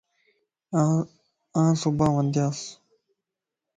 آن صبح وندياسين